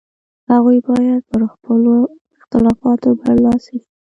هغوی باید پر خپلو اختلافاتو برلاسي شي.